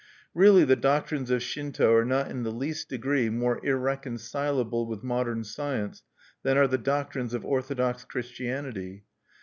Really the doctrines of Shinto are not in the least degree more irreconcilable with modern science than are the doctrines of Orthodox Christianity.